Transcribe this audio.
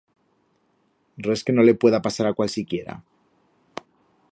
Res que no le pueda pasar a cualsiquiera.